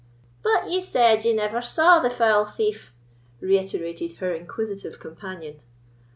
"But ye said ye never saw the foul thief," reiterated her inquisitive companion.